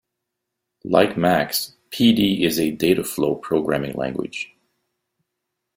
Like Max, Pd is a data flow programming language.